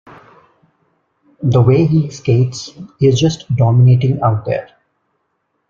The way he skates, he's just dominating out there.